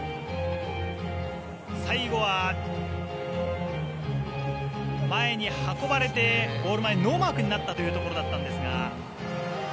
最後は前に運ばれてゴール前、ノーマークになったというところだったんですが。